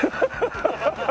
ハハハハハ！